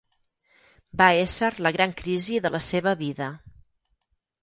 Va ésser la gran crisi de la seva vida.